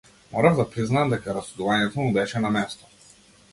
Морав да признаам дека расудувањето му беше на место.